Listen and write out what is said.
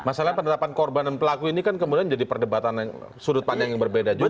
masalah penerapan korban dan pelaku ini kan kemudian jadi perdebatan sudut pandang yang berbeda juga